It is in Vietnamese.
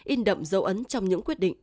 in đậm dấu ấn trong những quyết định